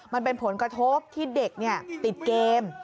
มันเป็นผลกระทบที่เด็กติดเกม